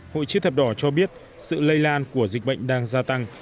hội chữ thập đỏ cho biết sự lây lan của dịch bệnh đang gia tăng